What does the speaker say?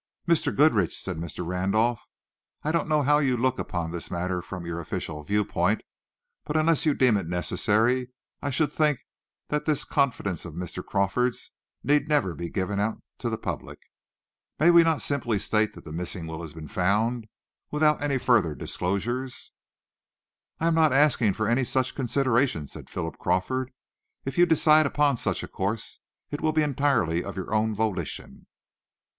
"Mr. Goodrich," said Mr. Randolph, "I don't know how you look upon this matter from your official viewpoint, but unless you deem it necessary, I should think that this confidence of Mr. Crawford's need never be given to the public. May we not simply state that the missing will has been found, without any further disclosures?" "I am not asking for any such consideration," said Philip Crawford. "If you decide upon such a course, it will be entirely of your own volition."